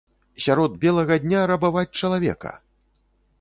Сярод белага дня рабаваць чалавека!